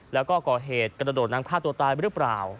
แล้วก็ก่อเหตุกระโดดน้ำฆ่าตัวตายหรือเปล่า